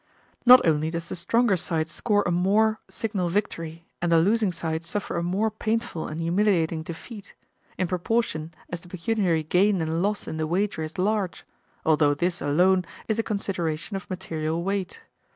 Not only does the stronger side score a more signal victory, and the losing side suffer a more painful and humiliating defeat, in proportion as the pecuniary gain and loss in the wager is large; although this alone is a consideration of material weight.